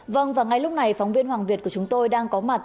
vâng và ngay lúc này phóng viên hoàng việt của chúng tôi đang có một bộ phim